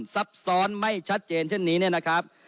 ซับซ้อนไม่ชัดเจนเช่นนี้เนี่ยนะครับ